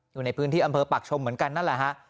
อยู่ในพื้นที่อำเภอปากชมเหมือนกันนั่นแหละฮะ